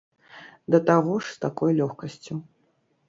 Да таго ж з такой лёгкасцю.